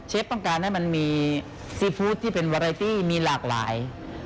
ต้องการให้มันมีซีฟู้ดที่เป็นอะไรที่มีหลากหลาย